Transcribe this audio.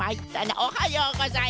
おはようございます！